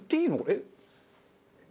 えっ？